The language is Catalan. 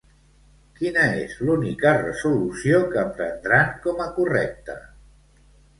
Quina és l'única resolució que prendran com a correcte?